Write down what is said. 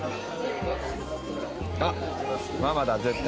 あっママだ絶対。